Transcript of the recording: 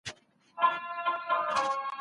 بزګران د اوبو لپاره ارغنداب سیند ته دعا کوي.